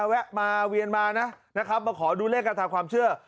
แวะมาเวียนมานะนะครับมาขอดูเลขการทำความเชื่อ